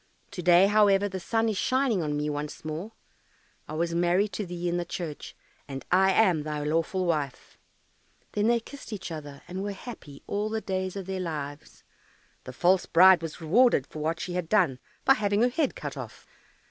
To day, however, the sun is shining on me once more. I was married to thee in the church, and I am thy lawful wife." Then they kissed each other, and were happy all the days of their lives. The false bride was rewarded for what she had done by having her head cut off.